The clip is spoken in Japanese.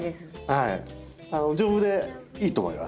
はい。